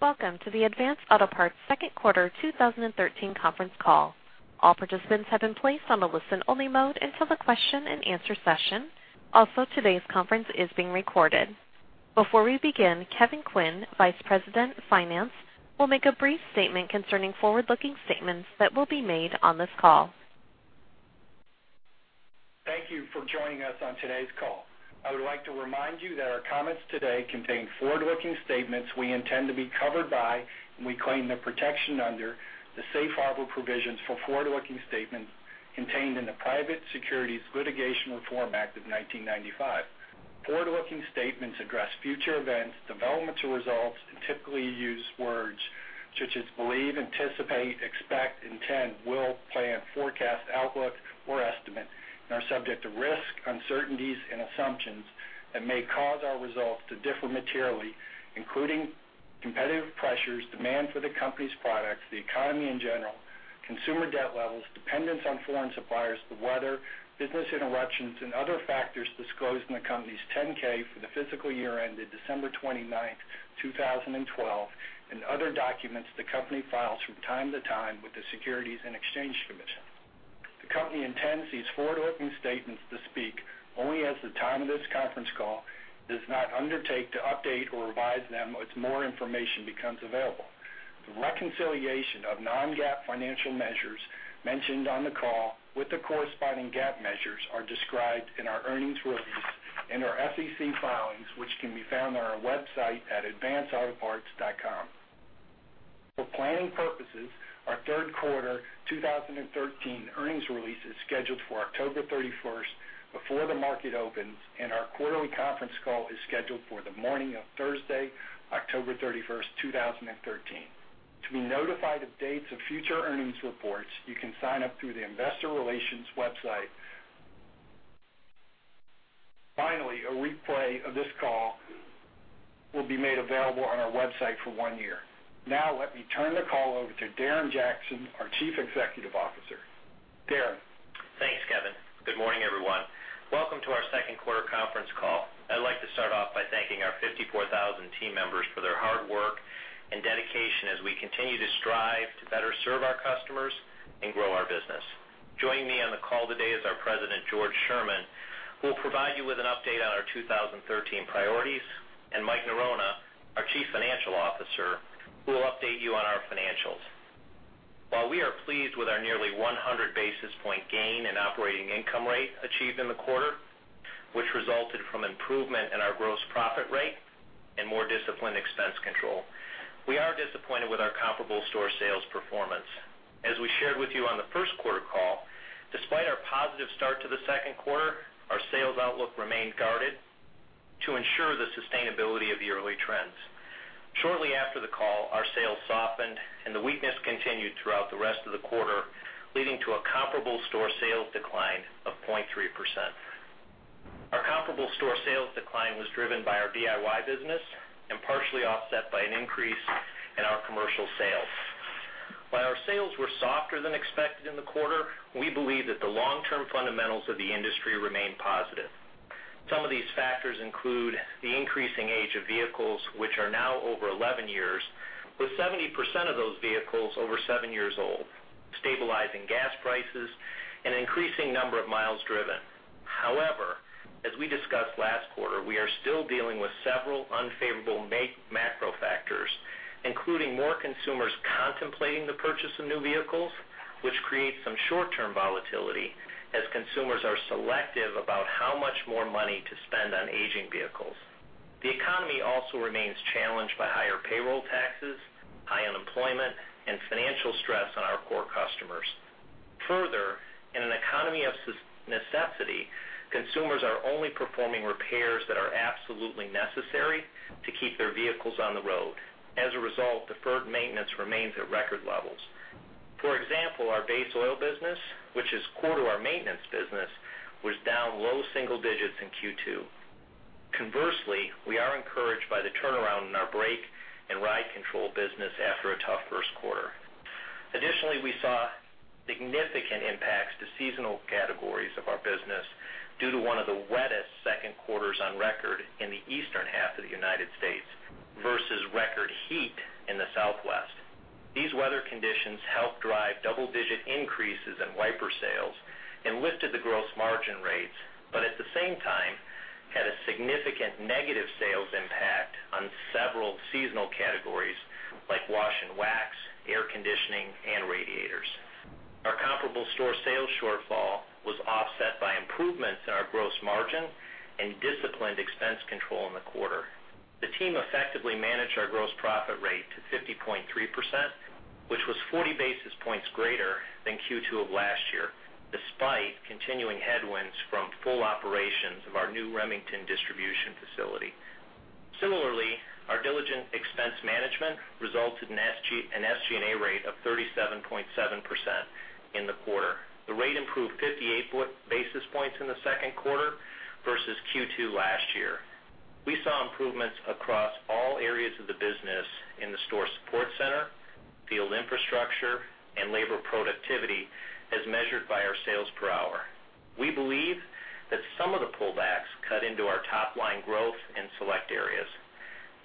Welcome to Advance Auto Parts second quarter 2013 conference call. All participants have been placed on a listen-only mode until the question and answer session. Also, today's conference is being recorded. Before we begin, Kevin Quinn, Vice President of Finance, will make a brief statement concerning forward-looking statements that will be made on this call. Thank you for joining us on today's call. I would like to remind you that our comments today contain forward-looking statements we intend to be covered by, and we claim the protection under, the Safe Harbor Provisions for Forward-Looking Statements contained in the Private Securities Litigation Reform Act of 1995. Forward-looking statements address future events, developmental results, and typically use words such as believe, anticipate, expect, intend, will, plan, forecast, outlook, or estimate, and are subject to risk, uncertainties, and assumptions that may cause our results to differ materially, including competitive pressures, demand for the company's products, the economy in general, consumer debt levels, dependence on foreign suppliers, the weather, business interruptions, and other factors disclosed in the company's 10-K for the fiscal year ended December 29th, 2012, and other documents the company files from time to time with the Securities and Exchange Commission. The company intends these forward-looking statements to speak only as of the time of this conference call. It does not undertake to update or revise them as more information becomes available. The reconciliation of non-GAAP financial measures mentioned on the call with the corresponding GAAP measures are described in our earnings release in our SEC filings, which can be found on our website at advanceautoparts.com. For planning purposes, our third quarter 2013 earnings release is scheduled for October 31st before the market opens, and our quarterly conference call is scheduled for the morning of Thursday, October 31st, 2013. To be notified of dates of future earnings reports, you can sign up through the investor relations website. Finally, a replay of this call will be made available on our website for one year. Let me turn the call over to Darren Jackson, our Chief Executive Officer. Darren. Thanks, Kevin. Good morning, everyone. Welcome to our second quarter conference call. I'd like to start off by thanking our 54,000 team members for their hard work and dedication as we continue to strive to better serve our customers and grow our business. Joining me on the call today is our President, George Sherman, who will provide you with an update on our 2013 priorities, and Mike Norona, our Chief Financial Officer, who will update you on our financials. While we are pleased with our nearly 100-basis point gain in operating income rate achieved in the quarter, which resulted from improvement in our gross profit rate and more disciplined expense control, we are disappointed with our comparable store sales performance. As we shared with you on the first quarter call, despite our positive start to the second quarter, our sales outlook remained guarded to ensure the sustainability of the early trends. Shortly after the call, our sales softened, and the weakness continued throughout the rest of the quarter, leading to a comparable store sales decline of 0.3%. Our comparable store sales decline was driven by our DIY business and partially offset by an increase in our commercial sales. While our sales were softer than expected in the quarter, we believe that the long-term fundamentals of the industry remain positive. Some of these factors include the increasing age of vehicles, which are now over 11 years, with 70% of those vehicles over seven years old, stabilizing gas prices, and an increasing number of miles driven. As we discussed last quarter, we are still dealing with several unfavorable macro factors, including more consumers contemplating the purchase of new vehicles, which creates some short-term volatility as consumers are selective about how much more money to spend on aging vehicles. The economy also remains challenged by higher payroll taxes, high unemployment, and financial stress on our core customers. In an economy of necessity, consumers are only performing repairs that are absolutely necessary to keep their vehicles on the road. As a result, deferred maintenance remains at record levels. For example, our base oil business, which is core to our maintenance business, was down low single digits in Q2. We are encouraged by the turnaround in our brake and ride control business after a tough first quarter. We saw significant impacts to seasonal categories of our business due to one of the wettest second quarters on record in the eastern half of the United States, versus record heat in the Southwest. These weather conditions helped drive double-digit increases in wiper sales and lifted the gross margin rates, but at the same time, had a significant negative sales impact on several seasonal categories like wash and wax, air conditioning, and radiators. Our comparable store sales shortfall was offset by improvements in our gross margin and disciplined expense control in the quarter. The team effectively managed our gross profit rate to 50.3%, which was 40 basis points greater than Q2 of last year, despite continuing headwinds from full operations of our new Remington distribution facility. Our diligent expense management resulted in an SG&A rate of 37.7% in the quarter. The rate improved 58 basis points in the second quarter versus Q2 last year. We saw improvements across all areas of the business in the store support center Field infrastructure and labor productivity as measured by our sales per hour. We believe that some of the pullbacks cut into our top-line growth in select areas.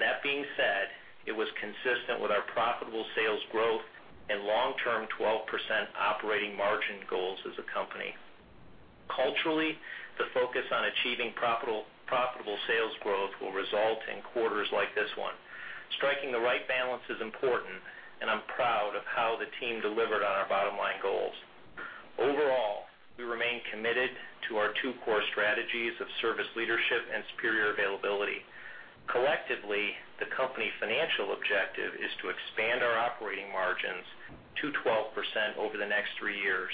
That being said, it was consistent with our profitable sales growth and long-term 12% operating margin goals as a company. The focus on achieving profitable sales growth will result in quarters like this one. Striking the right balance is important, and I'm proud of how the team delivered on our bottom-line goals. We remain committed to our two core strategies of service leadership and superior availability. Collectively, the company's financial objective is to expand our operating margins to 12% over the next three years.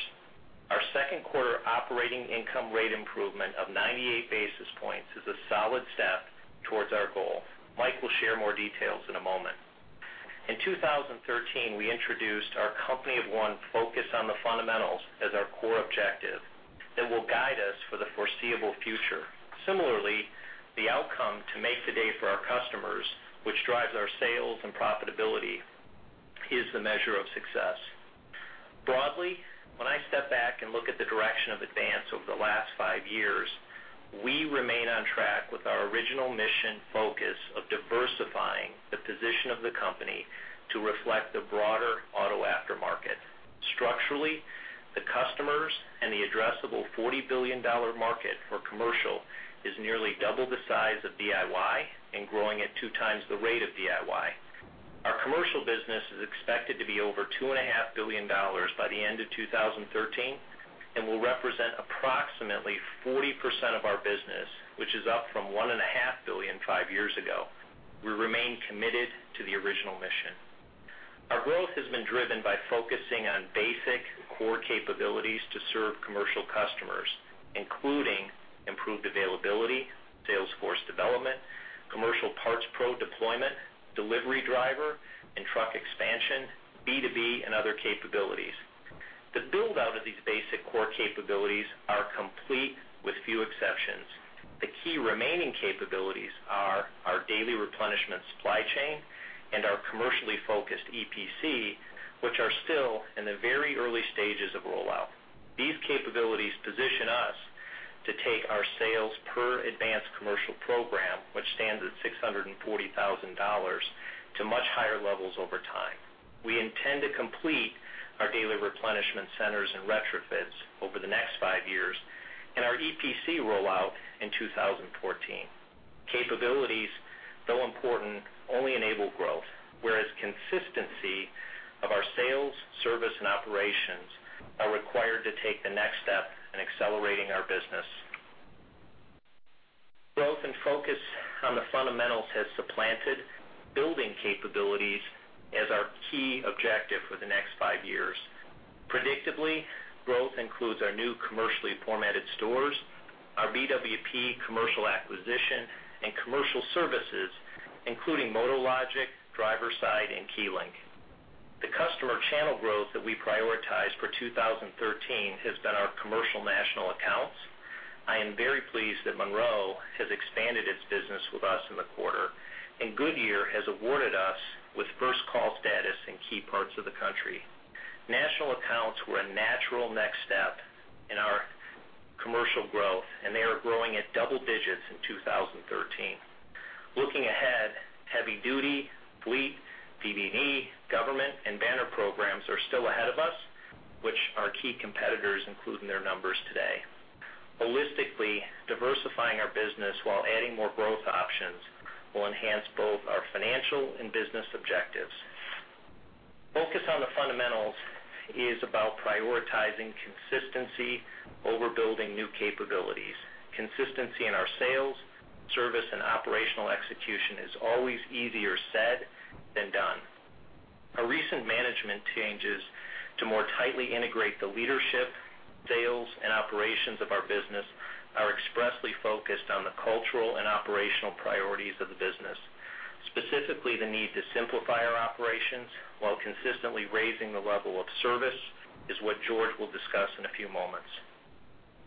Our second quarter operating income rate improvement of 98 basis points is a solid step towards our goal. Mike will share more details in a moment. In 2013, we introduced our Company of One Focus on the Fundamentals as our core objective that will guide us for the foreseeable future. Similarly, the outcome to make the day for our customers, which drives our sales and profitability, is the measure of success. Broadly, when I step back and look at the direction of Advance over the last five years, we remain on track with our original mission focus of diversifying the position of the company to reflect the broader auto aftermarket. Structurally, the customers and the addressable $40 billion market for commercial is nearly double the size of DIY and growing at two times the rate of DIY. Our commercial business is expected to be over $2.5 billion by the end of 2013 and will represent approximately 40% of our business, which is up from $1.5 billion five years ago. We remain committed to the original mission. Our growth has been driven by focusing on basic core capabilities to serve commercial customers, including improved availability, sales force development, Commercial Parts Pro deployment, delivery driver, and truck expansion, B2B, and other capabilities. The build-out of these basic core capabilities are complete with few exceptions. The key remaining capabilities are our daily replenishment supply chain and our commercially focused EPC, which are still in the very early stages of rollout. These capabilities position us to take our sales per Advance commercial program, which stands at $640,000, to much higher levels over time. We intend to complete our daily replenishment centers and retrofits over the next five years and our EPC rollout in 2014. Capabilities, though important, only enable growth, whereas consistency of our sales, service, and operations are required to take the next step in accelerating our business. Growth and focus on the fundamentals has supplanted building capabilities as our key objective for the next five years. Predictably, growth includes our new commercially formatted stores, our BWP commercial acquisition, and commercial services, including MotoLogic, Driver's Side, and KeyLink. The customer channel growth that we prioritized for 2013 has been our commercial national accounts. I am very pleased that Monroe has expanded its business with us in the quarter, and Goodyear has awarded us with first-call status in key parts of the country. National accounts were a natural next step in our commercial growth, and they are growing at double digits in 2013. Looking ahead, heavy duty, fleet, PBE, government, and banner programs are still ahead of us, which our key competitors include in their numbers today. Holistically diversifying our business while adding more growth options will enhance both our financial and business objectives. Focus on the fundamentals is about prioritizing consistency over building new capabilities. Consistency in our sales, service, and operational execution is always easier said than done. Our recent management changes to more tightly integrate the leadership, sales, and operations of our business are expressly focused on the cultural and operational priorities of the business. Specifically, the need to simplify our operations while consistently raising the level of service is what George will discuss in a few moments.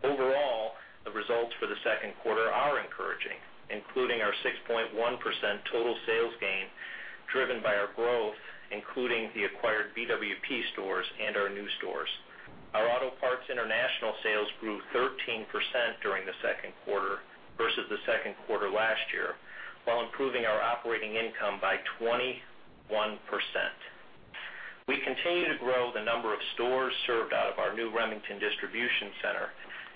Overall, the results for the second quarter are encouraging, including our 6.1% total sales gain, driven by our growth, including the acquired BWP stores and our new stores. Our Autopart International sales grew 13% during the second quarter versus the second quarter last year, while improving our operating income by 21%. We continue to grow the number of stores served out of our new Remington distribution center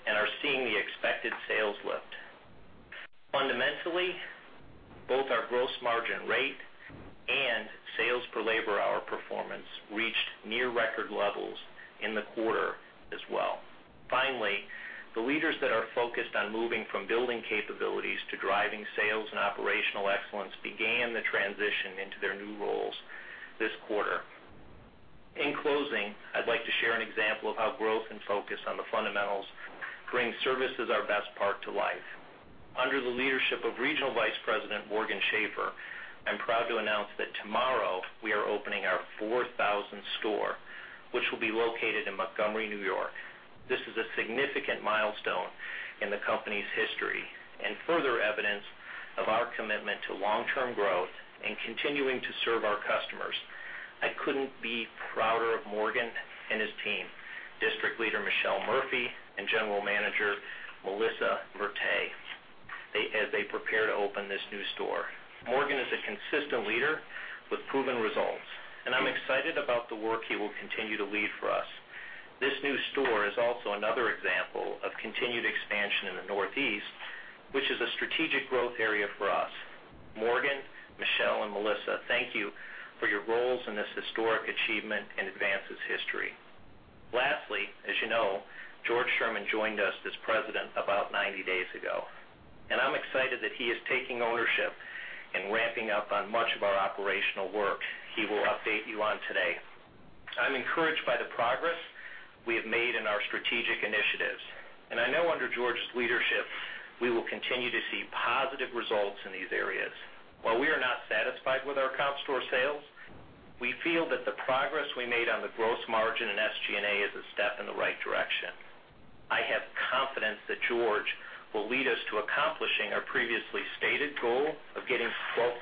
and are seeing the expected sales lift. Fundamentally, both our gross margin rate and sales per labor hour performance reached near record levels in the quarter as well. The leaders that are focused on moving from building capabilities to driving sales and operational excellence began the transition into their new roles this quarter. In closing, I'd like to share an example of how growth and focus on the fundamentals bring service as our best part to life. Under the leadership of Regional Vice President Morgan Schafer, I'm proud to announce that tomorrow we are opening our 4,000th store, which will be located in Montgomery, N.Y. This is a significant milestone in the company's history and further evidence of our commitment to long-term growth and continuing to serve our customers. I couldn't be prouder of Morgan and his team, District Leader Michelle Murphy and General Manager Melissa Mertay, as they prepare to open this new store. Morgan is a consistent leader with proven results, and I'm excited about the work he will continue to lead for us. This new store is also another example of continued expansion in the Northeast, which is a strategic growth area for us. Morgan, Michelle, and Melissa, thank you for your roles in this historic achievement in Advance's history. As you know, George Sherman joined us as President about 90 days ago, and I'm excited that he is taking ownership and ramping up on much of our operational work he will update you on today. I'm encouraged by the progress we have made in our strategic initiatives, and I know under George's leadership, we will continue to see positive results in these areas. While we are not satisfied with our comp store sales, we feel that the progress we made on the gross margin and SG&A is a step in the right direction. I have confidence that George will lead us to accomplishing our previously stated goal of getting 12%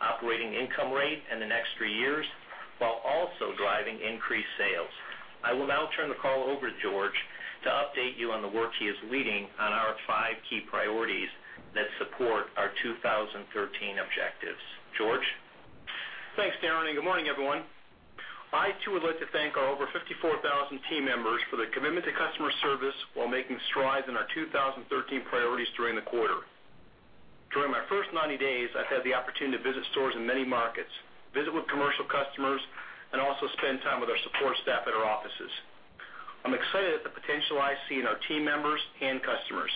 operating income rate in the next three years while also driving increased sales. I will now turn the call over to George to update you on the work he is leading on our five key priorities that support our 2013 objectives. George? Thanks, Darren, good morning, everyone. I, too, would like to thank our over 54,000 team members for their commitment to customer service while making strides in our 2013 priorities during the quarter. During my first 90 days, I've had the opportunity to visit stores in many markets, visit with commercial customers, also spend time with our support staff at our offices. I'm excited at the potential I see in our team members and customers.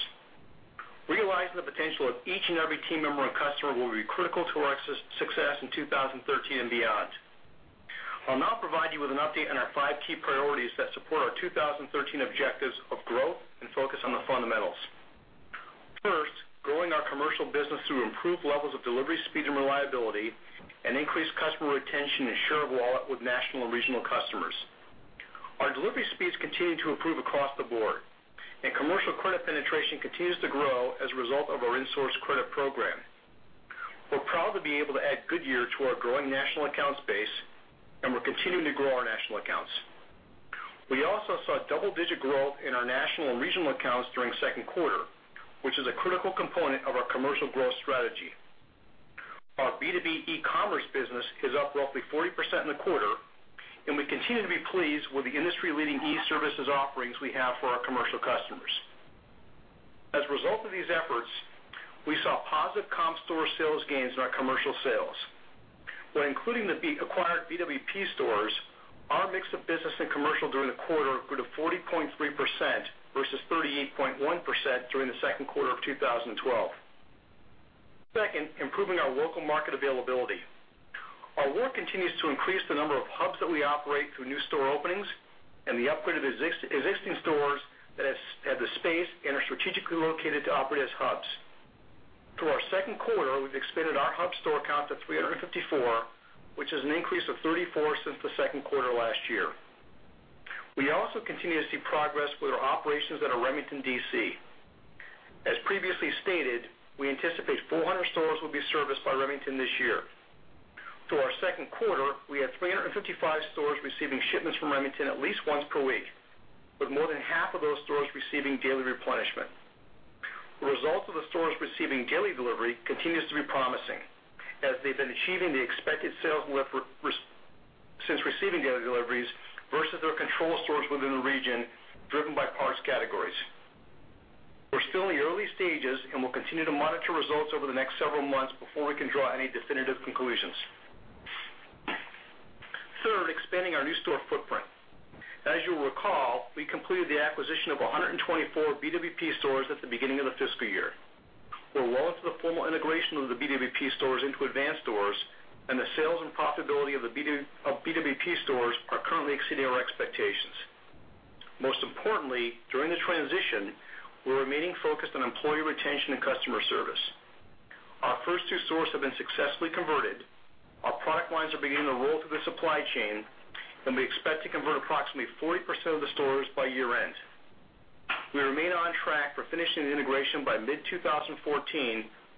Realizing the potential of each and every team member and customer will be critical to our success in 2013 and beyond. I'll now provide you with an update on our five key priorities that support our 2013 objectives of growth and focus on the fundamentals. Growing our commercial business through improved levels of delivery speed and reliability, increased customer retention and share of wallet with national and regional customers. Our delivery speeds continue to improve across the board. Commercial credit penetration continues to grow as a result of our in-source credit program. We're proud to be able to add Goodyear to our growing national accounts base. We're continuing to grow our national accounts. We also saw double-digit growth in our national and regional accounts during the second quarter, which is a critical component of our commercial growth strategy. Our B2B e-commerce business is up roughly 40% in the quarter. We continue to be pleased with the industry-leading e-services offerings we have for our commercial customers. As a result of these efforts, we saw positive comp store sales gains in our commercial sales. Including the acquired B.W.P. stores, our mix of business and commercial during the quarter grew to 40.3% versus 38.1% during the second quarter of 2012. Second, improving our local market availability. Our work continues to increase the number of hubs that we operate through new store openings and the upgrade of existing stores that have the space and are strategically located to operate as hubs. Through our second quarter, we've expanded our hub store count to 354, which is an increase of 34 since the second quarter last year. We also continue to see progress with our operations at our Remington DC. As previously stated, we anticipate 400 stores will be serviced by Remington this year. Through our second quarter, we had 355 stores receiving shipments from Remington at least once per week, with more than half of those stores receiving daily replenishment. The results of the stores receiving daily delivery continues to be promising, as they've been achieving the expected sales lift since receiving daily deliveries versus their control stores within the region driven by parts categories. We're still in the early stages. We'll continue to monitor results over the next several months before we can draw any definitive conclusions. Third, expanding our new store footprint. As you'll recall, we completed the acquisition of 124 B.W.P. stores at the beginning of the fiscal year. We're well into the formal integration of the B.W.P. stores into Advance stores. The sales and profitability of B.W.P. stores are currently exceeding our expectations. Most importantly, during the transition, we're remaining focused on employee retention and customer service. Our first two stores have been successfully converted. Our product lines are beginning to roll through the supply chain. We expect to convert approximately 40% of the stores by year-end. We remain on track for finishing the integration by mid-2014,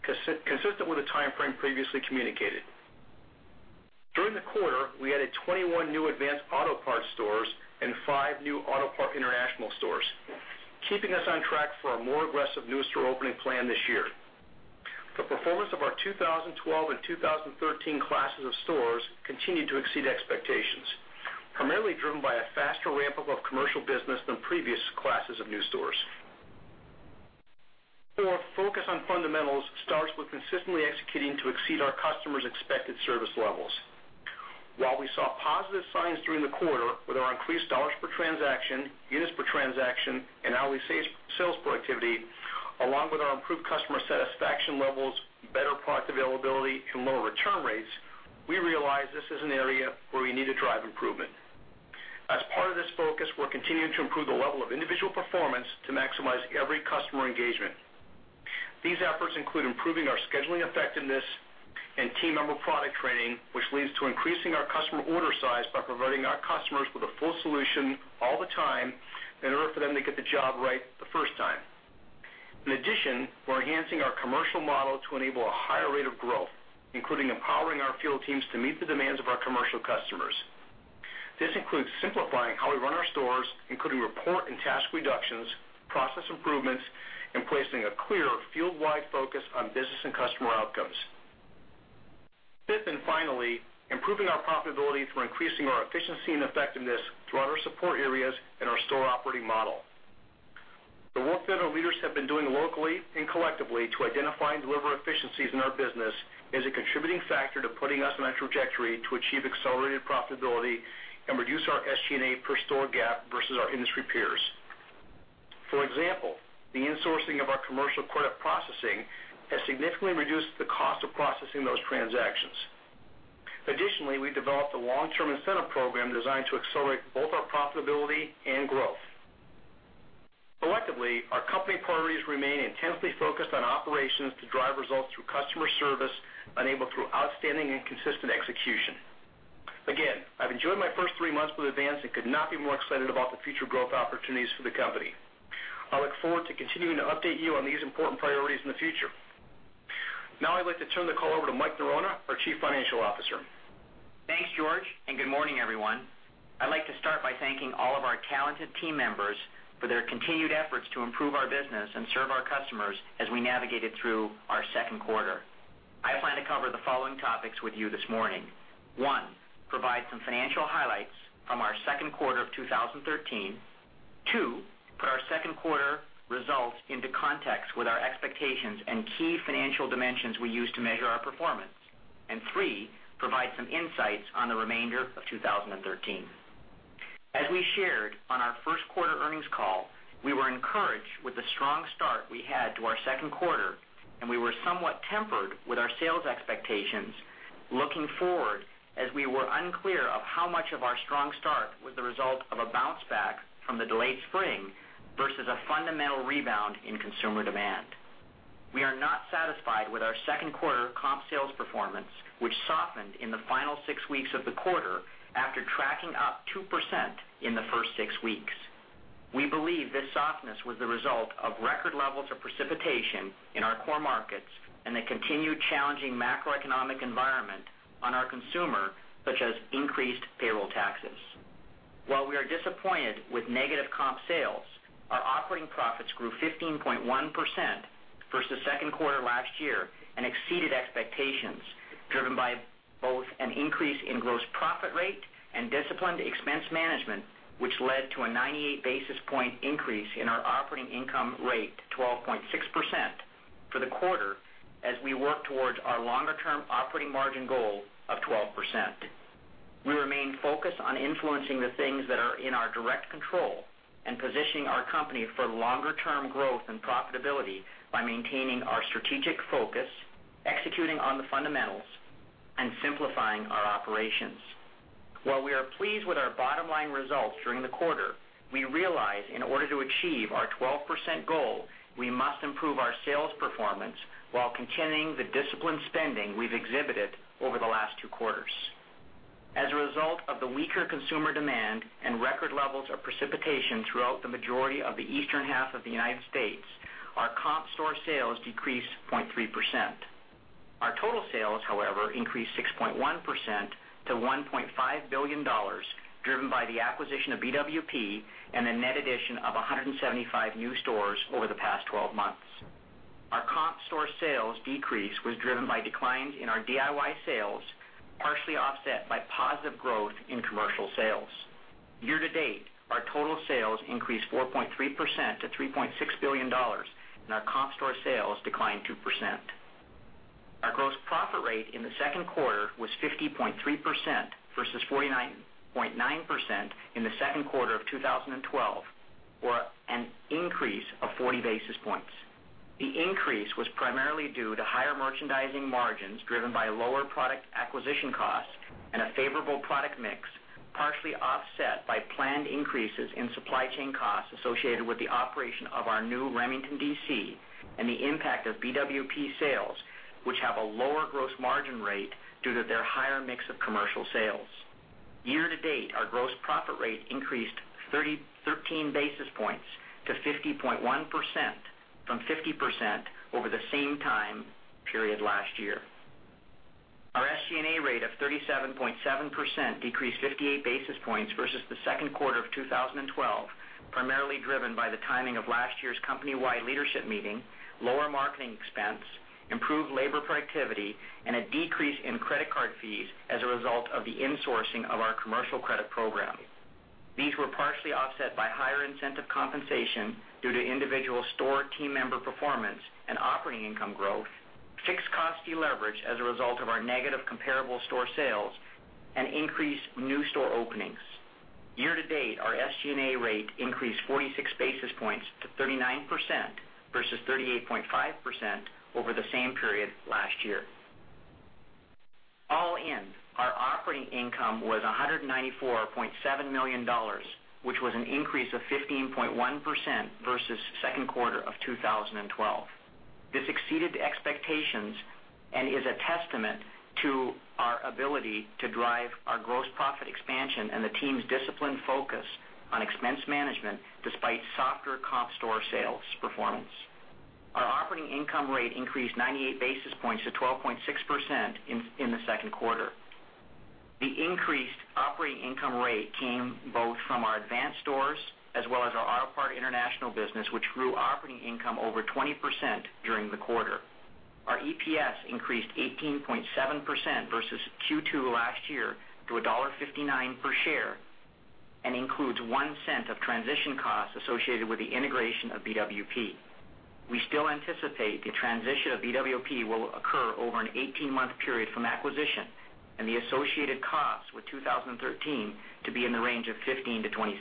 consistent with the timeframe previously communicated. During the quarter, we added 21 new Advance Auto Parts stores and five new Autopart International stores, keeping us on track for a more aggressive new store opening plan this year. The performance of our 2012 and 2013 classes of stores continued to exceed expectations, primarily driven by a faster ramp-up of commercial business than previous classes of new stores. Four, focus on fundamentals starts with consistently executing to exceed our customers' expected service levels. While we saw positive signs during the quarter with our increased dollars per transaction, units per transaction, and hourly sales productivity, along with our improved customer satisfaction levels, better parts availability, and lower return rates, we realize this is an area where we need to drive improvement. As part of this focus, we're continuing to improve the level of individual performance to maximize every customer engagement. These efforts include improving our scheduling effectiveness and team member product training, which leads to increasing our customer order size by providing our customers with a full solution all the time in order for them to get the job right the first time. In addition, we're enhancing our commercial model to enable a higher rate of growth, including empowering our field teams to meet the demands of our commercial customers. This includes simplifying how we run our stores, including report and task reductions, process improvements, and placing a clear field-wide focus on business and customer outcomes. Fifth and finally, improving our profitability through increasing our efficiency and effectiveness throughout our support areas and our store operating model. The work that our leaders have been doing locally and collectively to identify and deliver efficiencies in our business is a contributing factor to putting us on a trajectory to achieve accelerated profitability and reduce our SG&A per store gap versus our industry peers. For example, the insourcing of our commercial credit processing has significantly reduced the cost of processing those transactions. Additionally, we developed a long-term incentive program designed to accelerate both our profitability and growth. Collectively, our company priorities remain intensely focused on operations to drive results through customer service enabled through outstanding and consistent execution. Again, I've enjoyed my first three months with Advance and could not be more excited about the future growth opportunities for the company. I look forward to continuing to update you on these important priorities in the future. Now I'd like to turn the call over to Mike Norona, our Chief Financial Officer. Thanks, George, and good morning, everyone. I'd like to start by thanking all of our talented team members for their continued efforts to improve our business and serve our customers as we navigated through our second quarter. I plan to cover the following topics with you this morning. One, provide some financial highlights from our second quarter of 2013. Two, put our second quarter results into context with our expectations and key financial dimensions we use to measure our performance. And three, provide some insights on the remainder of 2013. As we shared on our first quarter earnings call, we were encouraged with the strong start we had to our second quarter, and we were somewhat tempered with our sales expectations looking forward, as we were unclear of how much of our strong start was the result of a bounce back from the delayed spring versus a fundamental rebound in consumer demand. We are not satisfied with our second quarter comp sales performance, which softened in the final six weeks of the quarter after tracking up 2% in the first six weeks. We believe this softness was the result of record levels of precipitation in our core markets and the continued challenging macroeconomic environment on our consumer, such as increased payroll taxes. While we are disappointed with negative comp sales, our operating profits grew 15.1% versus second quarter last year and exceeded expectations, driven by both an increase in gross profit rate and disciplined expense management, which led to a 98 basis point increase in our operating income rate, 12.6%, for the quarter as we work towards our longer-term operating margin goal of 12%. We remain focused on influencing the things that are in our direct control and positioning our company for longer-term growth and profitability by maintaining our strategic focus, executing on the fundamentals, and simplifying our operations. While we are pleased with our bottom-line results during the quarter, we realize in order to achieve our 12% goal, we must improve our sales performance while continuing the disciplined spending we've exhibited over the last two quarters. As a result of the weaker consumer demand and record levels of precipitation throughout the majority of the eastern half of the U.S., our comp store sales decreased 0.3%. Our total sales, however, increased 6.1% to $1.5 billion, driven by the acquisition of B.W.P. and a net addition of 175 new stores over the past 12 months. Our comp store sales decrease was driven by declines in our DIY sales, partially offset by positive growth in commercial sales. Year-to-date, our total sales increased 4.3% to $3.6 billion, and our comp store sales declined 2%. Our gross profit rate in the second quarter was 50.3% versus 49.9% in the second quarter of 2012, or an increase of 40 basis points. The increase was primarily due to higher merchandising margins driven by lower product acquisition costs and a favorable product mix, partially offset by planned increases in supply chain costs associated with the operation of our new Remington DC and the impact of B.W.P. sales, which have a lower gross margin rate due to their higher mix of commercial sales. Year-to-date, our gross profit rate increased 13 basis points to 50.1% from 50% over the same time period last year. Our SG&A rate of 37.7% decreased 58 basis points versus the second quarter of 2012, primarily driven by the timing of last year's company-wide leadership meeting, lower marketing expense, improved labor productivity, and a decrease in credit card fees as a result of the insourcing of our commercial credit program. These were partially offset by higher incentive compensation due to individual store team member performance and operating income growth, fixed cost deleverage as a result of our negative comparable store sales, and increased new store openings. Year-to-date, our SG&A rate increased 46 basis points to 39% versus 38.5% over the same period last year. All in, our operating income was $194.7 million, which was an increase of 15.1% versus second quarter of 2012. This exceeded expectations and is a testament to our ability to drive our gross profit expansion and the team's disciplined focus on expense management despite softer comp store sales performance. Our operating income rate increased 98 basis points to 12.6% in the second quarter. The increased operating income rate came both from our Advance stores as well as our Autopart International business, which grew operating income over 20% during the quarter. Our EPS increased 18.7% versus Q2 last year to $1.59 per share and includes $0.01 of transition costs associated with the integration of BWP. We still anticipate the transition of BWP will occur over an 18-month period from acquisition, and the associated costs with 2013 to be in the range of $0.15-$0.20.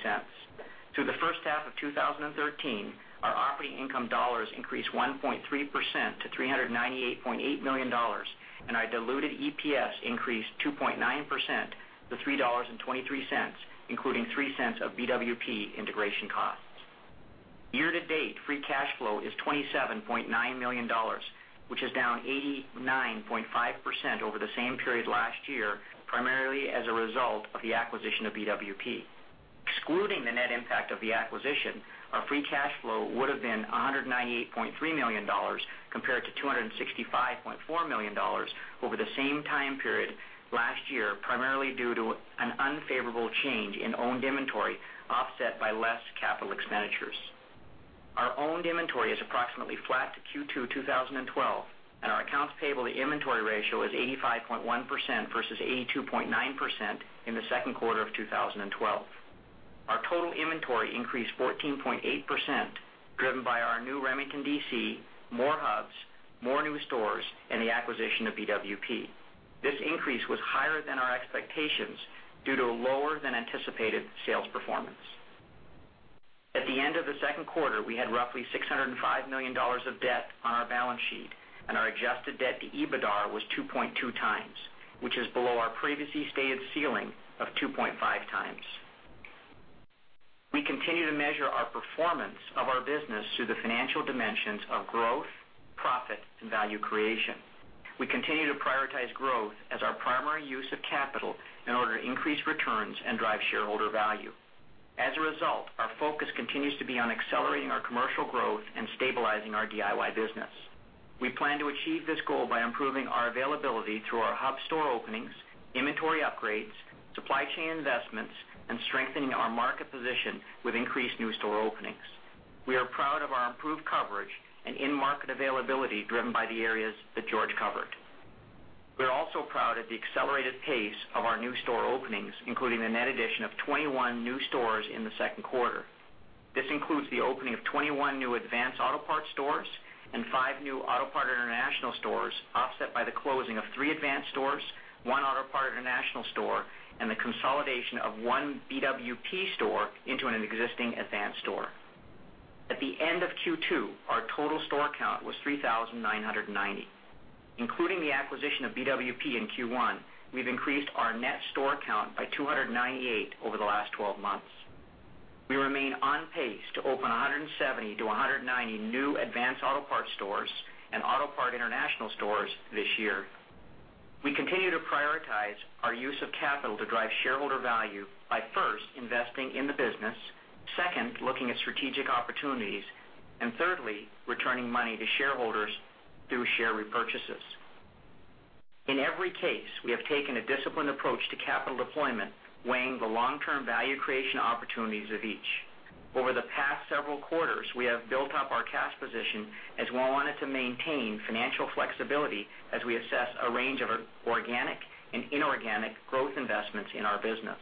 Through the first half of 2013, our operating income dollars increased 1.3% to $398.8 million, and our diluted EPS increased 2.9% to $3.23, including $0.03 of BWP integration costs. Year-to-date free cash flow is $27.9 million, which is down 89.5% over the same period last year, primarily as a result of the acquisition of BWP. Excluding the net impact of the acquisition, our free cash flow would have been $198.3 million compared to $265.4 million over the same time period last year, primarily due to an unfavorable change in owned inventory, offset by less capital expenditures. Our owned inventory is approximately flat to Q2 2012, and our accounts payable to inventory ratio is 85.1% versus 82.9% in the second quarter of 2012. Our total inventory increased 14.8%, driven by our new Remington DC, more hubs, more new stores, and the acquisition of BWP. This increase was higher than our expectations due to a lower than anticipated sales performance. At the end of the second quarter, we had roughly $605 million of debt on our balance sheet, and our adjusted debt to EBITDAR was 2.2 times, which is below our previously stated ceiling of 2.5 times. We continue to measure our performance of our business through the financial dimensions of growth, profit, and value creation. We continue to prioritize growth as our primary use of capital in order to increase returns and drive shareholder value. As a result, our focus continues to be on accelerating our commercial growth and stabilizing our DIY business. We plan to achieve this goal by improving our availability through our hub store openings, inventory upgrades, supply chain investments, and strengthening our market position with increased new store openings. We are proud of our improved coverage and in-market availability driven by the areas that George covered. We are also proud of the accelerated pace of our new store openings, including the net addition of 21 new stores in the second quarter. This includes the opening of 21 new Advance Auto Parts stores and five new Autopart International stores, offset by the closing of three Advance stores, one Autopart International store, and the consolidation of one BWP store into an existing Advance store. At the end of Q2, our total store count was 3,990. Including the acquisition of BWP in Q1, we have increased our net store count by 298 over the last 12 months. We remain on pace to open 170 to 190 new Advance Auto Parts stores and Autopart International stores this year. We continue to prioritize our use of capital to drive shareholder value by first investing in the business, second, looking at strategic opportunities, and thirdly, returning money to shareholders through share repurchases. In every case, we have taken a disciplined approach to capital deployment, weighing the long-term value creation opportunities of each. Over the past several quarters, we have built up our cash position as we wanted to maintain financial flexibility as we assess a range of organic and inorganic growth investments in our business.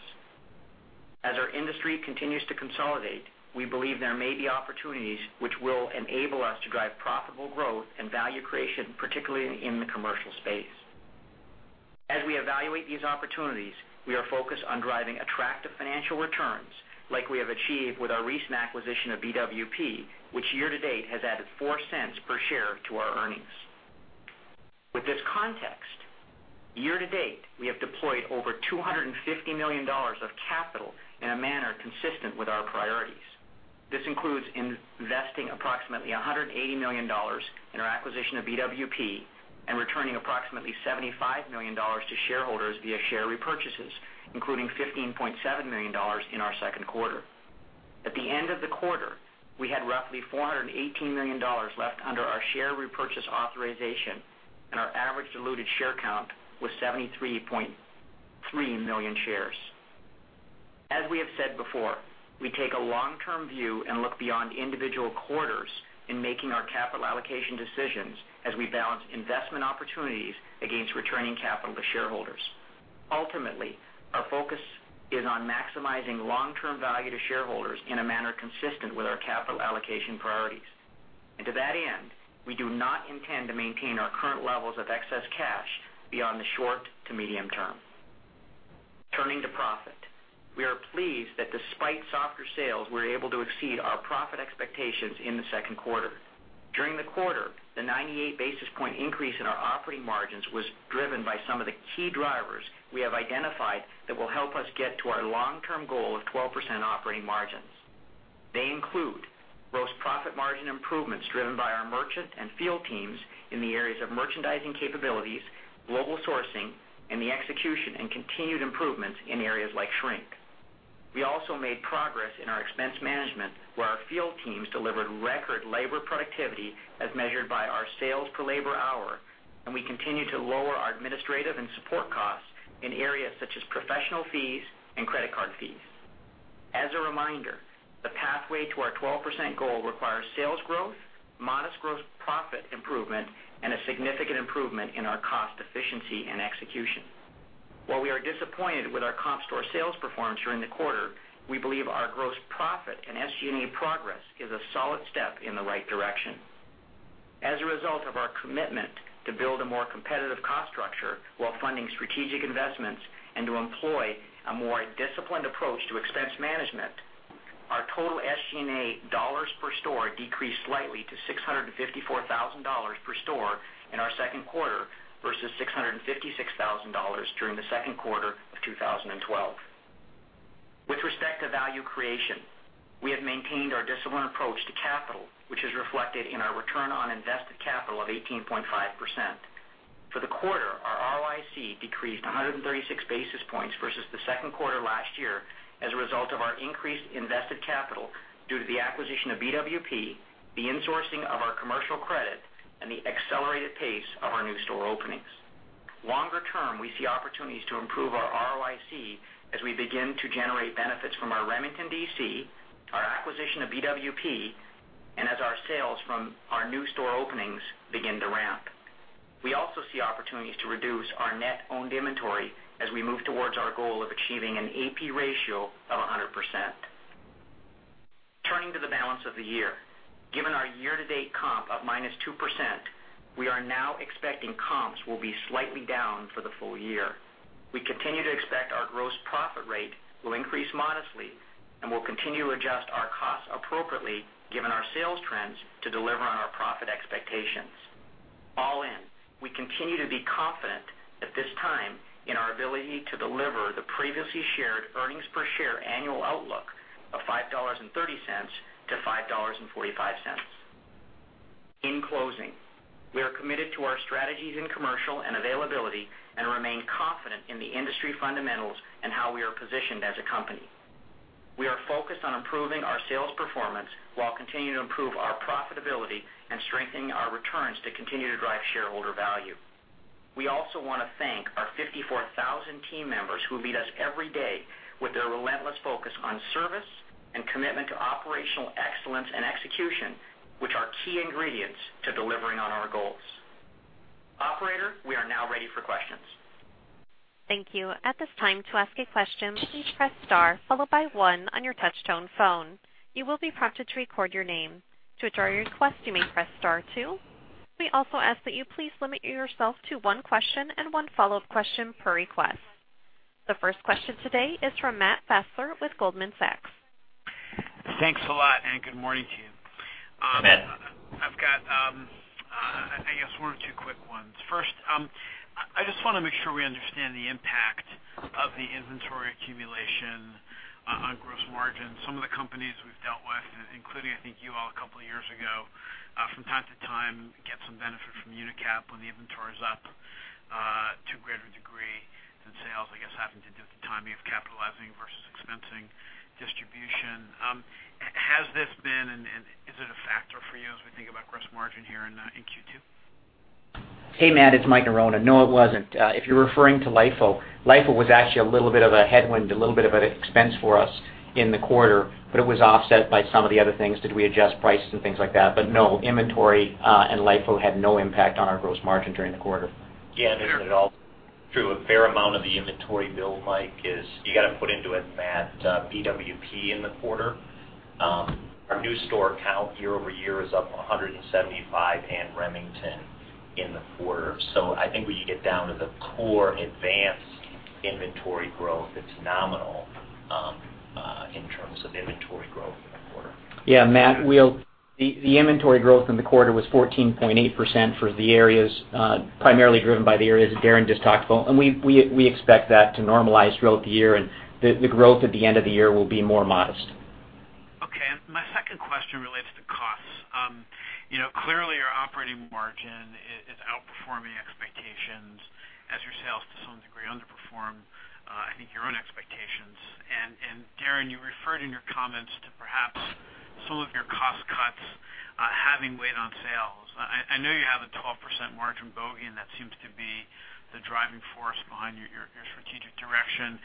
As our industry continues to consolidate, we believe there may be opportunities which will enable us to drive profitable growth and value creation, particularly in the commercial space. As we evaluate these opportunities, we are focused on driving attractive financial returns like we have achieved with our recent acquisition of BWP, which year-to-date has added $0.04 per share to our earnings. With this context, year-to-date, we have deployed over $250 million of capital in a manner consistent with our priorities. This includes investing approximately $180 million in our acquisition of BWP and returning approximately $75 million to shareholders via share repurchases, including $15.7 million in our second quarter. At the end of the quarter, we had roughly $418 million left under our share repurchase authorization, and our average diluted share count was 73.3 million shares. As we have said before, we take a long-term view and look beyond individual quarters in making our capital allocation decisions as we balance investment opportunities against returning capital to shareholders. Ultimately, our focus is on maximizing long-term value to shareholders in a manner consistent with our capital allocation priorities. To that end, we do not intend to maintain our current levels of excess cash beyond the short to medium term. We are pleased that despite softer sales, we were able to exceed our profit expectations in the second quarter. During the quarter, the 98 basis point increase in our operating margins was driven by some of the key drivers we have identified that will help us get to our long-term goal of 12% operating margins. They include gross profit margin improvements driven by our merchant and field teams in the areas of merchandising capabilities, global sourcing, and the execution and continued improvements in areas like shrink. We also made progress in our expense management, where our field teams delivered record labor productivity as measured by our sales per labor hour, and we continue to lower our administrative and support costs in areas such as professional fees and credit card fees. As a reminder, the pathway to our 12% goal requires sales growth, modest gross profit improvement, and a significant improvement in our cost efficiency and execution. While we are disappointed with our comp store sales performance during the quarter, we believe our gross profit and SG&A progress is a solid step in the right direction. As a result of our commitment to build a more competitive cost structure while funding strategic investments and to employ a more disciplined approach to expense management, our total SG&A dollars per store decreased slightly to $654,000 per store in our second quarter versus $656,000 during the second quarter of 2012. With respect to value creation, we have maintained our disciplined approach to capital, which is reflected in our return on invested capital of 18.5%. For the quarter, our ROIC decreased 136 basis points versus the second quarter last year as a result of our increased invested capital due to the acquisition of BWP, the insourcing of our commercial credit, and the accelerated pace of our new store openings. Longer term, we see opportunities to improve our ROIC as we begin to generate benefits from our Remington DC, our acquisition of BWP, and as our sales from our new store openings begin to ramp. We also see opportunities to reduce our net-owned inventory as we move towards our goal of achieving an AP ratio of 100%. Turning to the balance of the year. Given our year-to-date comp of minus 2%, we are now expecting comps will be slightly down for the full year. We continue to expect our gross profit rate will increase modestly. We'll continue to adjust our costs appropriately given our sales trends to deliver on our profit expectations. All in, we continue to be confident at this time in our ability to deliver the previously shared earnings per share annual outlook of $5.30 to $5.45. In closing, we are committed to our strategies in commercial and availability and remain confident in the industry fundamentals and how we are positioned as a company. We are focused on improving our sales performance while continuing to improve our profitability and strengthening our returns to continue to drive shareholder value. We also want to thank our 54,000 team members who lead us every day with their relentless focus on service and commitment to operational excellence and execution, which are key ingredients to delivering on our goals. Operator, we are now ready for questions. Thank you. At this time, to ask a question, please press star followed by one on your touch tone phone. You will be prompted to record your name. To withdraw your request, you may press star two. We also ask that you please limit yourself to one question and one follow-up question per request. The first question today is from Matthew Fassler with Goldman Sachs. Thanks a lot and good morning to you. Matt. I've got, I guess one or two quick ones. First, I just want to make sure we understand the impact of the inventory accumulation on gross margins. Some of the companies we've dealt with, including I think you all a couple of years ago, from time to time, get some benefit from UNICAP when the inventory is up to a greater degree than sales. I guess having to do with the timing of capitalizing versus expensing distribution. Has this been and is it a factor for you as we think about gross margin here in Q2? Hey, Matt, it's Mike Norona. No, it wasn't. If you're referring to LIFO was actually a little bit of a headwind, a little bit of an expense for us in the quarter, it was offset by some of the other things. Did we adjust prices and things like that? No, inventory and LIFO had no impact on our gross margin during the quarter. Yeah, this is all true. A fair amount of the inventory bill, Mike, is you got to put into it, Matt, BWP in the quarter. Our new store count year-over-year is up 175 and Remington in the quarter. I think when you get down to the core Advance inventory growth, it's nominal, in terms of inventory growth in the quarter. Yeah, Matt, the inventory growth in the quarter was 14.8% for the areas, primarily driven by the areas that Darren just talked about. We expect that to normalize throughout the year, and the growth at the end of the year will be more modest. Okay. My second question relates to costs. Clearly, your operating margin is outperforming expectations as your sales to some degree underperform, I think your own expectations. Darren, you referred in your comments to perhaps some of your cost cuts having weighed on sales. I know you have a 12% margin bogey and that seems to be the driving force behind your strategic direction.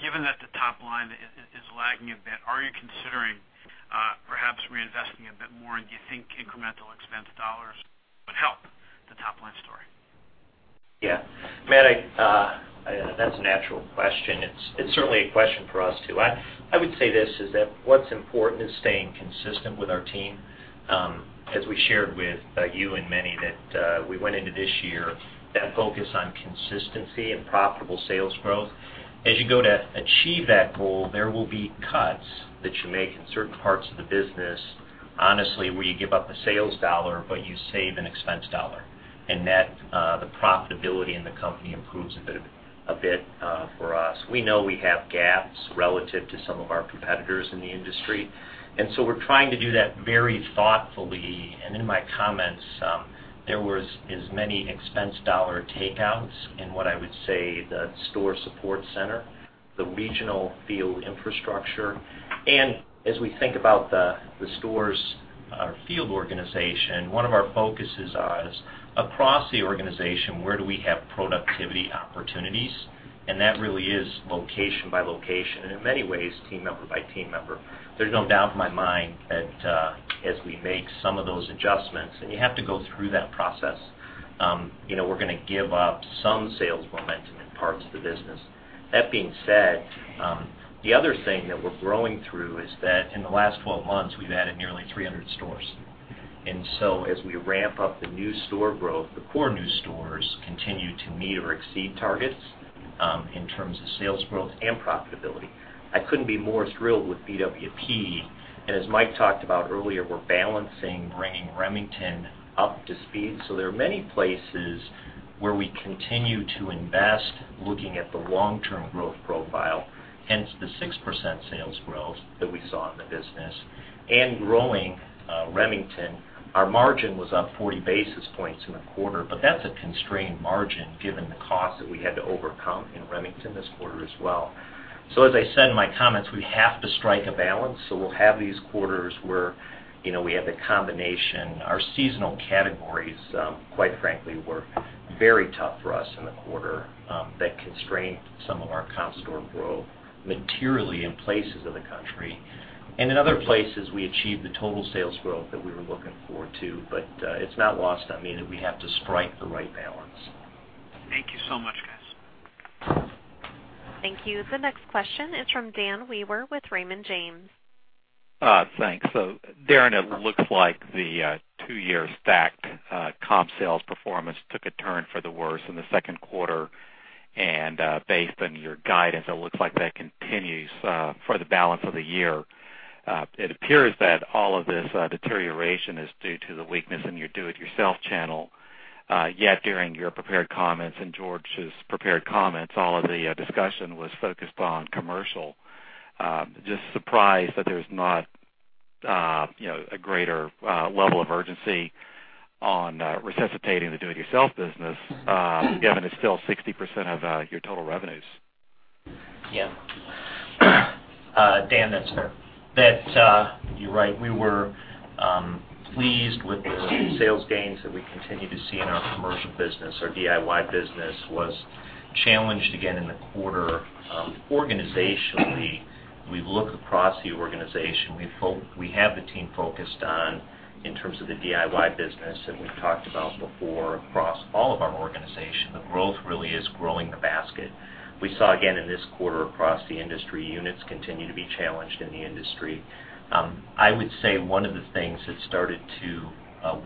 Given that the top line is lagging a bit, are you considering perhaps reinvesting a bit more? Do you think incremental expense dollars would help the top-line story? Yeah. Matt, that's a natural question. It's certainly a question for us, too. I would say this, is that what's important is staying consistent with our team. As we shared with you and many that we went into this year, that focus on consistency and profitable sales growth. As you go to achieve that goal, there will be cuts that you make in certain parts of the business, honestly, where you give up a sales dollar, but you save an expense dollar. The profitability in the company improves a bit for us. We know we have gaps relative to some of our competitors in the industry, and so we're trying to do that very thoughtfully. In my comments, there was as many expense dollar takeouts in what I would say the store support center, the regional field infrastructure. As we think about the stores, our field organization, one of our focuses is across the organization, where do we have productivity opportunities? That really is location by location and in many ways, team member by team member. There's no doubt in my mind that as we make some of those adjustments, and you have to go through that process, we're going to give up some sales momentum in parts of the business. That being said, the other thing that we're growing through is that in the last 12 months, we've added nearly 300 stores. As we ramp up the new store growth, the core new stores continue to meet or exceed targets in terms of sales growth and profitability. I couldn't be more thrilled with BWP. As Mike talked about earlier, we're balancing bringing Remington up to speed. There are many places where we continue to invest looking at the long-term growth profile, hence the 6% sales growth that we saw in the business. Growing Remington, our margin was up 40 basis points in the quarter, but that's a constrained margin given the cost that we had to overcome in Remington this quarter as well. As I said in my comments, we have to strike a balance. We'll have these quarters where we have the combination. Our seasonal categories, quite frankly, were very tough for us in the quarter. That constrained some of our comp store growth materially in places of the country. In other places, we achieved the total sales growth that we were looking for, too. It's not lost on me that we have to strike the right balance. Thank you so much, guys. Thank you. The next question is from Dan Wewer with Raymond James. Thanks. Darren, it looks like the two-year stacked comp sales performance took a turn for the worse in the second quarter. Based on your guidance, it looks like that continues for the balance of the year. It appears that all of this deterioration is due to the weakness in your do-it-yourself channel. During your prepared comments and George's prepared comments, all of the discussion was focused on commercial. Surprised that there's not a greater level of urgency on resuscitating the do-it-yourself business, given it's still 60% of your total revenues. Yeah. Dan, that's fair. You're right. We were pleased with the sales gains that we continue to see in our commercial business. Our DIY business was challenged again in the quarter. Organizationally, we've looked across the organization. We have the team focused on, in terms of the DIY business that we've talked about before across all of our organization, the growth really is growing the basket. We saw again in this quarter across the industry, units continue to be challenged in the industry. I would say one of the things that started to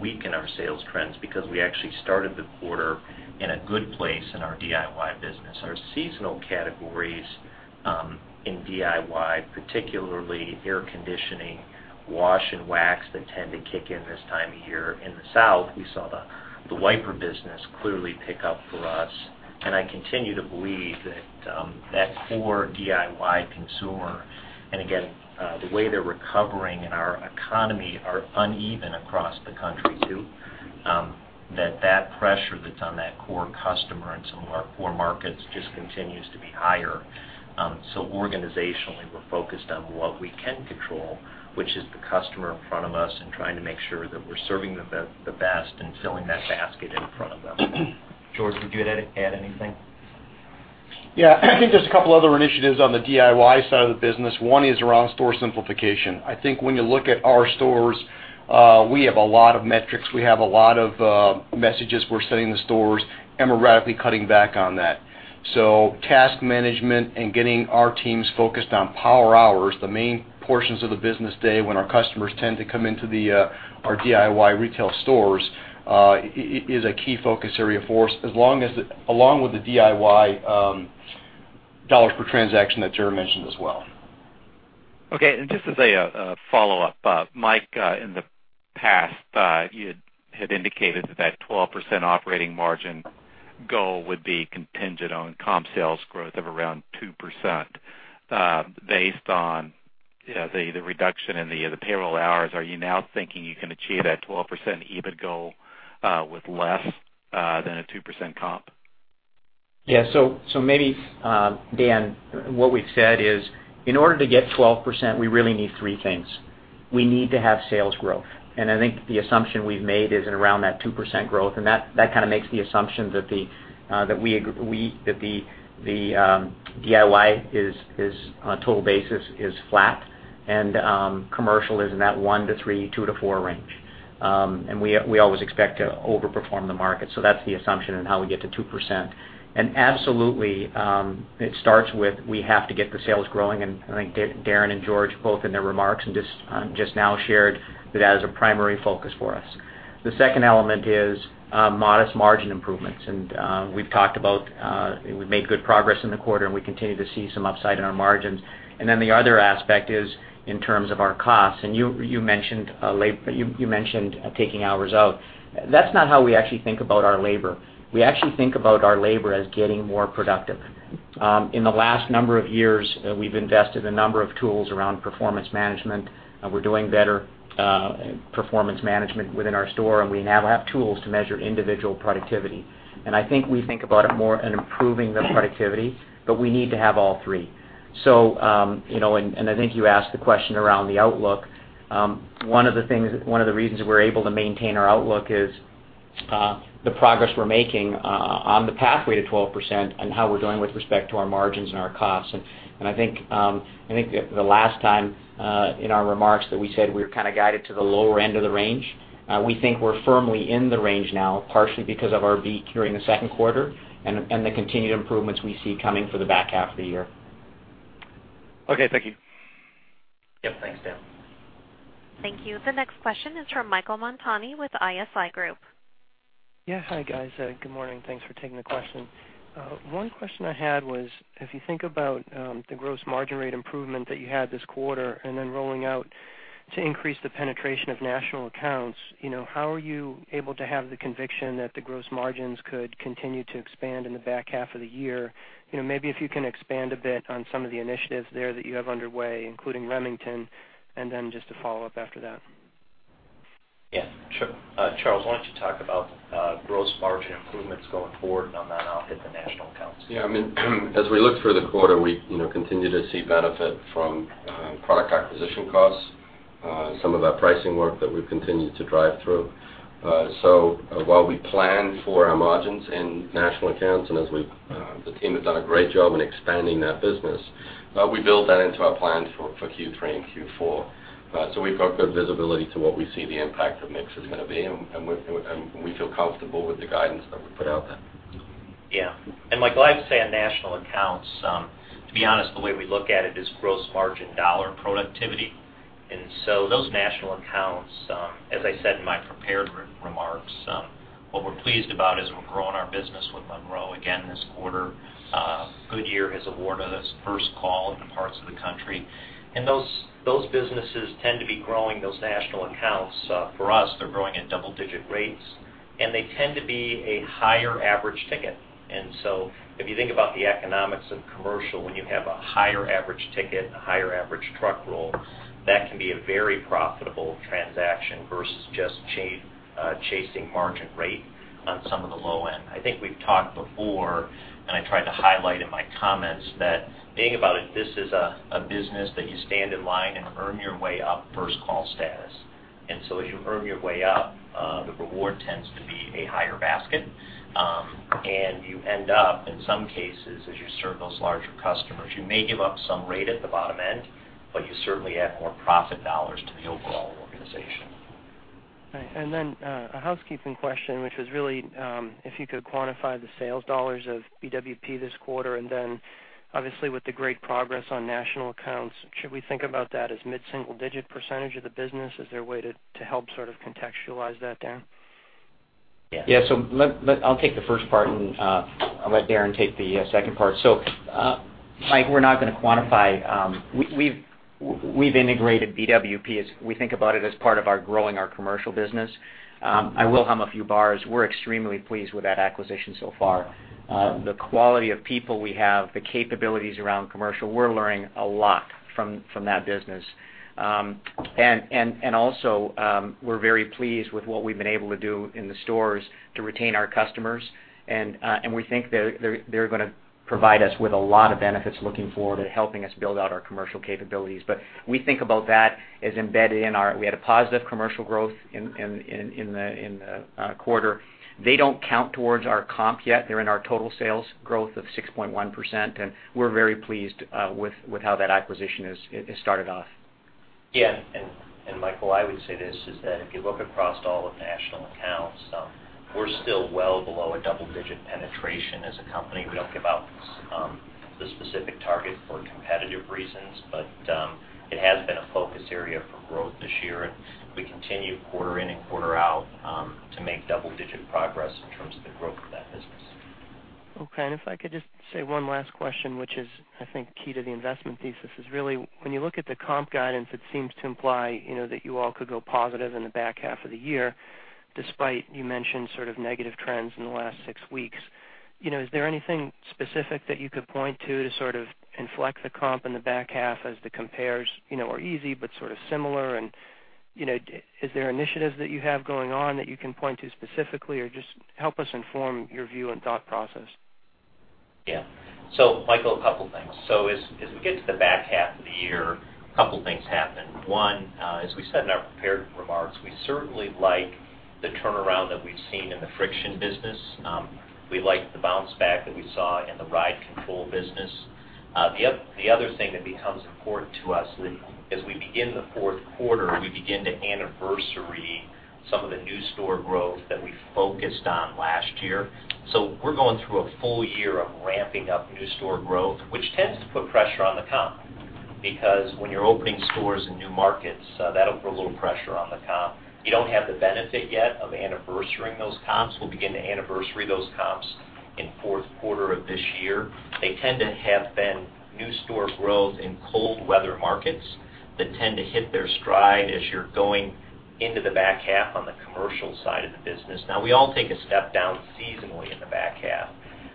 weaken our sales trends, because we actually started the quarter in a good place in our DIY business. Our seasonal categories in DIY, particularly air conditioning, wash and wax that tend to kick in this time of year. In the South, we saw the wiper business clearly pick up for us. I continue to believe that that core DIY consumer, and again, the way they're recovering and our economy are uneven across the country, too. That pressure that's on that core customer in some of our core markets just continues to be higher. Organizationally, we're focused on what we can control, which is the customer in front of us and trying to make sure that we're serving them the best and filling that basket in front of them. George, would you add anything? Yeah. I think there's a couple other initiatives on the DIY side of the business. One is around store simplification. I think when you look at our stores, we have a lot of metrics. We have a lot of messages we're sending the stores, and we're radically cutting back on that. Task management and getting our teams focused on power hours, the main portions of the business day when our customers tend to come into our DIY retail stores, is a key focus area for us, along with the DIY dollars per transaction that Darren mentioned as well. Okay. Just as a follow-up, Mike, in the past, you had indicated that 12% operating margin goal would be contingent on comp sales growth of around 2%. Based on the reduction in the payroll hours, are you now thinking you can achieve that 12% EBIT goal with less than a 2% comp? Maybe, Dan, what we've said is in order to get 12%, we really need three things. We need to have sales growth. I think the assumption we've made is around that 2% growth, and that kind of makes the assumption that the DIY on a total basis is flat and commercial is in that one to three, two to four range. We always expect to overperform the market. That's the assumption in how we get to 2%. Absolutely, it starts with we have to get the sales growing, and I think Darren and George both in their remarks just now shared that as a primary focus for us. The second element is modest margin improvements. We've talked about, we've made good progress in the quarter, and we continue to see some upside in our margins. The other aspect is in terms of our costs, and you mentioned taking hours out. That's not how we actually think about our labor. We actually think about our labor as getting more productive. In the last number of years, we've invested a number of tools around performance management, and we're doing better performance management within our store, and we now have tools to measure individual productivity. I think we think about it more in improving the productivity, but we need to have all three. I think you asked the question around the outlook. One of the reasons we're able to maintain our outlook is the progress we're making on the pathway to 12% and how we're doing with respect to our margins and our costs. I think the last time in our remarks that we said we were kind of guided to the lower end of the range, we think we're firmly in the range now, partially because of our beat during the second quarter and the continued improvements we see coming for the back half of the year. Okay, thank you. Yep, thanks Dan. Thank you. The next question is from Michael Montani with ISI Group. Yeah, hi guys. Good morning. Thanks for taking the question. One question I had was, if you think about the gross margin rate improvement that you had this quarter and then rolling out to increase the penetration of national accounts, how are you able to have the conviction that the gross margins could continue to expand in the back half of the year? Maybe if you can expand a bit on some of the initiatives there that you have underway, including Remington, and then just a follow-up after that. Yeah, sure. Charles, why don't you talk about gross margin improvements going forward, and on that I'll hit the national accounts. As we look through the quarter, we continue to see benefit from product acquisition costs, some of that pricing work that we've continued to drive through. While we plan for our margins in national accounts, and as the team has done a great job in expanding that business, we build that into our plans for Q3 and Q4. We've got good visibility to what we see the impact of mix is going to be, and we feel comfortable with the guidance that we put out there. Yeah. Michael, I'd say on national accounts, to be honest, the way we look at it is gross margin dollar productivity. Those national accounts, as I said in my prepared remarks, what we're pleased about is we're growing our business with Monroe again this quarter. Goodyear has awarded us first call in parts of the country. Those businesses tend to be growing, those national accounts for us, they're growing at double-digit rates, and they tend to be a higher average ticket. If you think about the economics of commercial, when you have a higher average ticket and a higher average truck roll, that can be a very profitable transaction versus just chasing margin rate on some of the low end. I think we've talked before, and I tried to highlight in my comments that being about it, this is a business that you stand in line and earn your way up first call status. As you earn your way up, the reward tends to be a higher basket. You end up, in some cases, as you serve those larger customers, you may give up some rate at the bottom end, but you certainly add more profit dollars to the overall organization. A housekeeping question, which was really if you could quantify the sales dollars of BWP this quarter, then obviously with the great progress on national accounts, should we think about that as mid-single-digit percentage of the business? Is there a way to help sort of contextualize that, Darren? I'll take the first part and I'll let Darren take the second part. Mike, we're not going to quantify. We've integrated BWP as we think about it as part of our growing our commercial business. I will hum a few bars. We're extremely pleased with that acquisition so far. The quality of people we have, the capabilities around commercial, we're learning a lot from that business. We're very pleased with what we've been able to do in the stores to retain our customers, and we think they're going to provide us with a lot of benefits looking forward at helping us build out our commercial capabilities. We think about that as embedded in our, we had a positive commercial growth in the quarter. They don't count towards our comp yet. They're in our total sales growth of 6.1%. We're very pleased with how that acquisition has started off. Michael, I would say this, is that if you look across all of national accounts, we're still well below a double-digit penetration as a company. We don't give out the specific target for competitive reasons, it has been a focus area for growth this year, and we continue quarter in and quarter out to make double-digit progress in terms of the growth of that business. If I could just say one last question, which is I think key to the investment thesis, is really when you look at the comp guidance, it seems to imply that you all could go positive in the back half of the year, despite you mentioned sort of negative trends in the last six weeks. Is there anything specific that you could point to to sort of inflect the comp in the back half as the compares are easy but sort of similar? Is there initiatives that you have going on that you can point to specifically or just help us inform your view and thought process? Yeah. Michael, a couple things. As we get to the back half of the year, a couple things happen. One, as we said in our prepared remarks, we certainly like the turnaround that we've seen in the friction business. We like the bounce back that we saw in the ride control business. The other thing that becomes important to us as we begin the fourth quarter, we begin to anniversary some of the new store growth that we focused on last year. We're going through a full year of ramping up new store growth, which tends to put pressure on the comp. When you're opening stores in new markets, that'll put a little pressure on the comp. You don't have the benefit yet of anniversarying those comps. We'll begin to anniversary those comps in fourth quarter of this year. They tend to have been new store growth in cold weather markets that tend to hit their stride as you're going into the back half on the commercial side of the business. We all take a step down seasonally in the back half,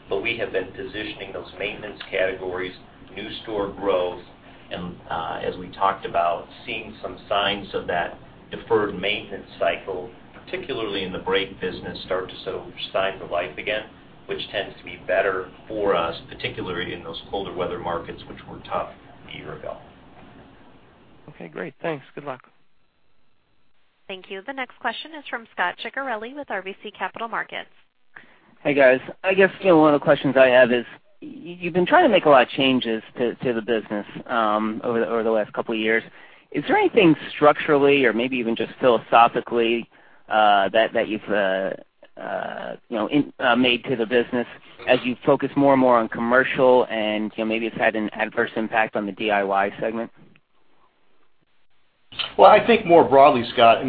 but we have been positioning those maintenance categories, new store growth, and, as we talked about, seeing some signs of that deferred maintenance cycle, particularly in the brake business, start to show signs of life again, which tends to be better for us, particularly in those colder weather markets, which were tough a year ago. Okay, great. Thanks. Good luck. Thank you. The next question is from Scot Ciccarelli with RBC Capital Markets. Hey, guys. I guess one of the questions I have is, you've been trying to make a lot of changes to the business over the last couple of years. Is there anything structurally or maybe even just philosophically that you've made to the business as you focus more and more on commercial and maybe it's had an adverse impact on the DIY segment? I think more broadly, Scot,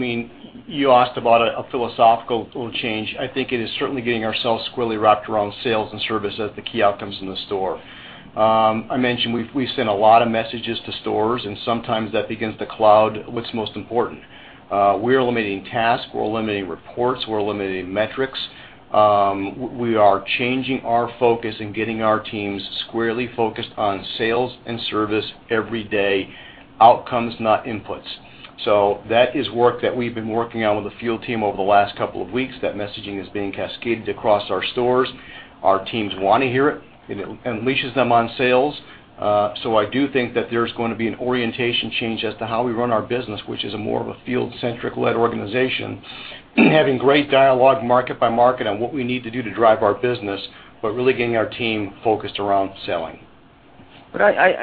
you asked about a philosophical change. I think it is certainly getting ourselves squarely wrapped around sales and service as the key outcomes in the store. I mentioned we've sent a lot of messages to stores, and sometimes that begins to cloud what's most important. We're eliminating tasks. We're eliminating reports. We're eliminating metrics. We are changing our focus and getting our teams squarely focused on sales and service every day, outcomes, not inputs. That is work that we've been working on with the field team over the last couple of weeks. That messaging is being cascaded across our stores. Our teams want to hear it. It unleashes them on sales. I do think that there's going to be an orientation change as to how we run our business, which is a more of a field-centric-led organization, having great dialogue market by market on what we need to do to drive our business, but really getting our team focused around selling.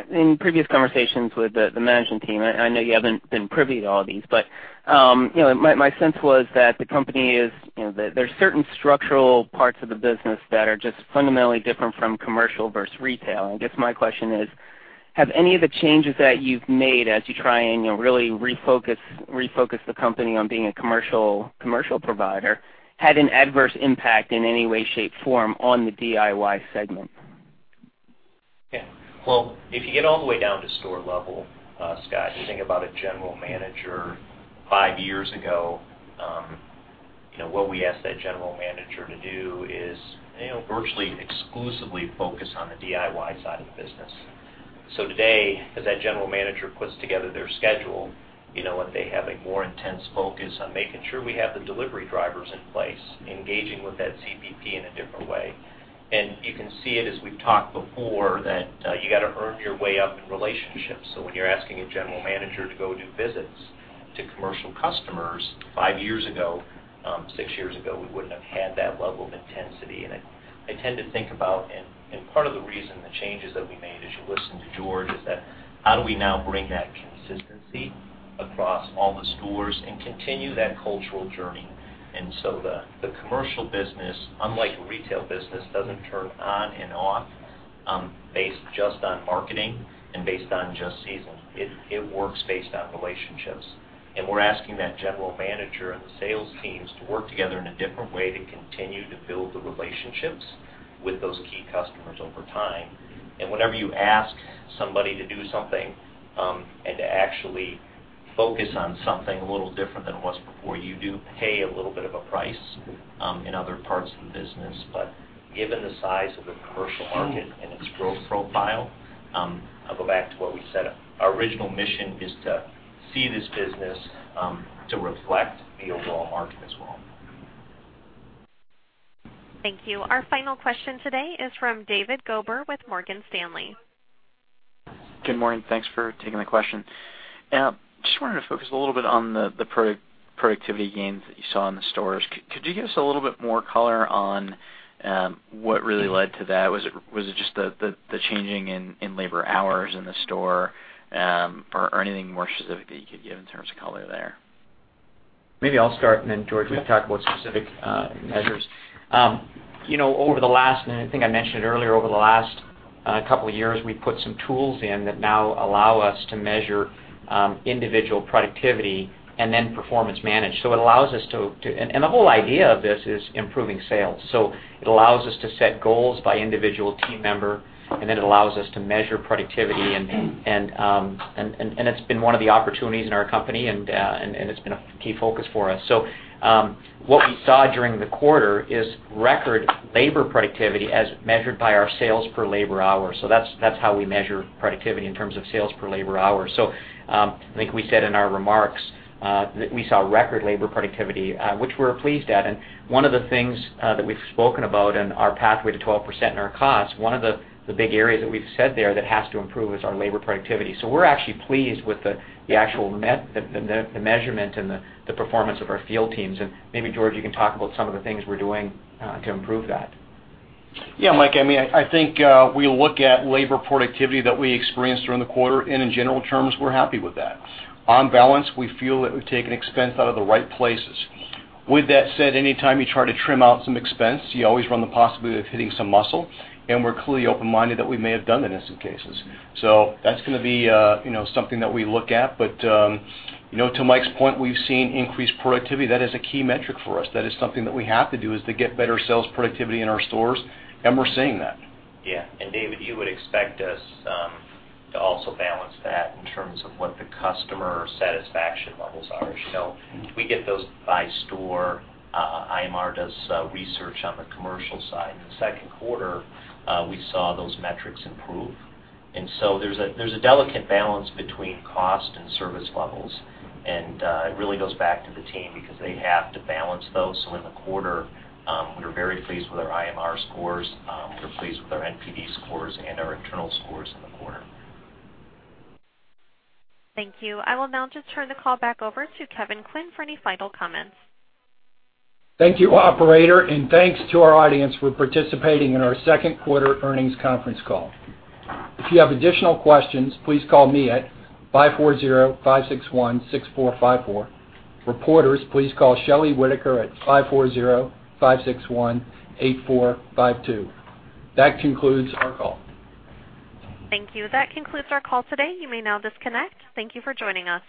In previous conversations with the management team, I know you haven't been privy to all these, but my sense was that there's certain structural parts of the business that are just fundamentally different from commercial versus retail. I guess my question is, have any of the changes that you've made as you try and really refocus the company on being a commercial provider, had an adverse impact in any way, shape, form on the DIY segment? Yeah. Well, if you get all the way down to store level, Scot, you think about a general manager five years ago, what we asked that general manager to do is virtually exclusively focus on the DIY side of the business. Today, as that general manager puts together their schedule, are they having more intense focus on making sure we have the delivery drivers in place, engaging with that CPP in a different way. You can see it, as we've talked before, that you got to earn your way up in relationships. When you're asking a general manager to go do visits to commercial customers, five years ago, six years ago, we wouldn't have had that level of intensity. I tend to think about, and part of the reason the changes that we made, as you listen to George, is that how do we now bring that consistency across all the stores and continue that cultural journey. The commercial business, unlike retail business, doesn't turn on and off based just on marketing and based on just season. It works based on relationships. We're asking that general manager and the sales teams to work together in a different way to continue to build the relationships with those key customers over time. Whenever you ask somebody to do something, and to actually focus on something a little different than it was before, you do pay a little bit of a price in other parts of the business. Given the size of the commercial market and its growth profile, I'll go back to what we said. Our original mission is to see this business to reflect the overall market as well. Thank you. Our final question today is from David Gober with Morgan Stanley. Good morning. Thanks for taking my question. Just wanted to focus a little bit on the productivity gains that you saw in the stores. Could you give us a little bit more color on what really led to that? Was it just the changing in labor hours in the store? Anything more specific that you could give in terms of color there? Maybe I'll start, George, maybe talk about specific measures. I think I mentioned it earlier, over the last couple of years, we've put some tools in that now allow us to measure individual productivity and then performance manage. The whole idea of this is improving sales. It allows us to set goals by individual team member, and then it allows us to measure productivity, and it's been one of the opportunities in our company, and it's been a key focus for us. What we saw during the quarter is record labor productivity as measured by our sales per labor hour. That's how we measure productivity in terms of sales per labor hour. I think we said in our remarks, that we saw record labor productivity, which we're pleased at. One of the things that we've spoken about in our pathway to 12% in our costs, one of the big areas that we've said there that has to improve is our labor productivity. We're actually pleased with the actual measurement and the performance of our field teams. Maybe George, you can talk about some of the things we're doing to improve that. Yeah, Mike, I think we look at labor productivity that we experienced during the quarter, in general terms, we're happy with that. On balance, we feel that we've taken expense out of the right places. With that said, anytime you try to trim out some expense, you always run the possibility of hitting some muscle, and we're clearly open-minded that we may have done that in some cases. That's going to be something that we look at. To Mike's point, we've seen increased productivity. That is a key metric for us. That is something that we have to do, is to get better sales productivity in our stores, and we're seeing that. Yeah. David, you would expect us to also balance that in terms of what the customer satisfaction levels are. We get those by store. IMR does research on the commercial side. In the second quarter, we saw those metrics improve. There's a delicate balance between cost and service levels. It really goes back to the team because they have to balance those. In the quarter, we were very pleased with our IMR scores. We're pleased with our NPD scores and our internal scores in the quarter. Thank you. I will now just turn the call back over to Kevin Quinn for any final comments. Thank you, operator, and thanks to our audience for participating in our second quarter earnings conference call. If you have additional questions, please call me at 540-561-6454. Reporters, please call Shelley Whitaker at 540-561-8452. That concludes our call. Thank you. That concludes our call today. You may now disconnect. Thank you for joining us.